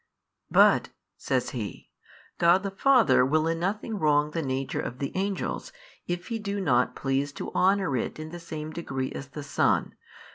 "But" (says he) "God the Father will in nothing wrong the nature of the angels, if He do not please to honour it in the same degree as the Son.